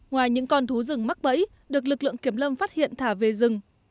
ngoài những con thú rừng mắc bẫy được lực lượng kiểm lâm phát hiện thả về rừng